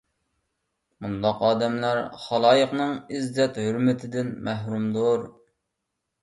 مۇنداق ئادەملەر خالايىقنىڭ ئىززەت - ھۆرمىتىدىن مەھرۇمدۇر.